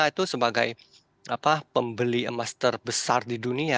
itu sebagai pembeli emas terbesar di dunia